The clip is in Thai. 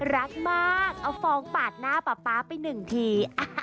รักมากเอาฟ้องปาดหน้าป๊าป๊าไปหนึ่งที